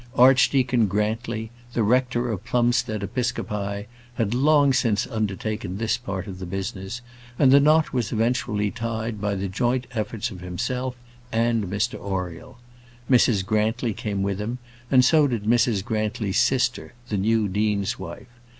Archdeacon Grantly, the rector of Plumstead Episcopi, had long since undertaken this part of the business; and the knot was eventually tied by the joint efforts of himself and Mr Oriel. Mrs Grantly came with him, and so did Mrs Grantly's sister, the new dean's wife.